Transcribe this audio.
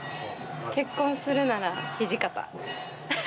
結婚するなら土方。